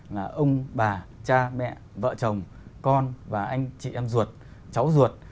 là ông bà cha mẹ vợ chồng con và anh chị em ruột cháu ruột